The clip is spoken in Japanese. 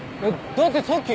だってさっき。